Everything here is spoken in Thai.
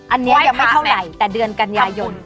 อันนี้ยังไม่เท่าไหร่แต่เดือนกันยายน